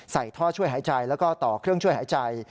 ท่อช่วยหายใจแล้วก็ต่อเครื่องช่วยหายใจ